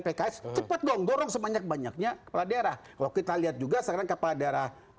pks cepet dong dorong sebanyak banyaknya kepala daerah kalau kita lihat juga sekarang kepala daerah